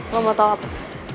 lo mau tau apa